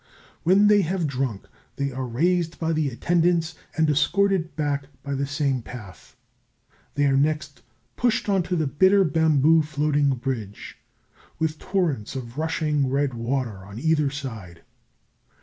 When they have drunk, they are raised by the attendants and escorted back by the same path. They are next pushed on to the Bitter Bamboo floating bridge, with torrents of rushing red water on either side.